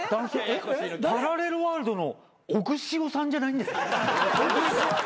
パラレルワールドのオグシオさんじゃないんですか？